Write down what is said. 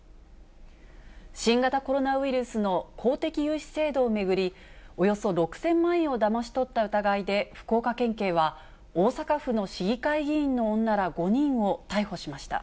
新型コロナウイルスの公的融資制度を巡り、およそ６０００万円をだまし取った疑いで福岡県警は、大阪府の市議会議員の女ら５人を逮捕しました。